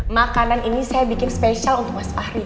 makanan ini saya bikin spesial untuk mas fahri